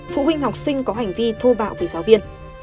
phụ huynh học sinh có hành vi thô bạo về giáo viên